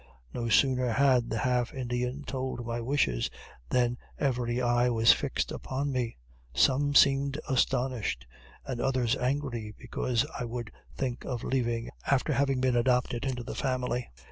No sooner had the half Indian told my wishes, than every eye was fixed upon me; some seemed astonished, and others angry, because I would think of leaving after having been adopted into the family.